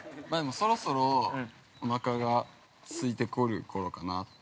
◆そろそろ、おなかが空いてくるころかなって。